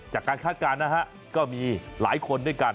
คาดการณ์นะฮะก็มีหลายคนด้วยกัน